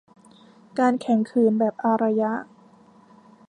การแข็งขืนแบบอารยะ